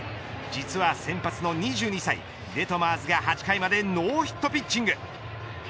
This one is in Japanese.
実は先発の２２歳デトマーズが８回までノーヒットピッチング。